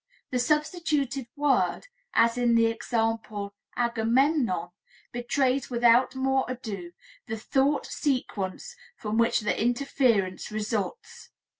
The substituted word, as in the example, "Agamemnon," betrays without more ado the thought sequence from which the interference results.